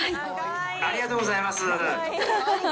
ありがとうございます。